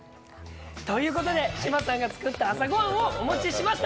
ということで、志麻さんが作った朝ごはんをお持ちしました。